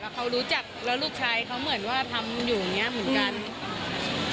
เขารู้จักแล้วลูกชายเขาเหมือนว่าทำอยู่อย่างเงี้ยเหมือนกัน